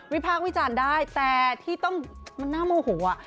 วิภาควิจารณ์ได้แต่ที่ต้องมันน่าโมโหอ่ะ